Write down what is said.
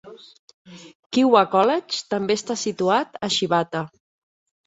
Keiwa College també està situat a Shibata.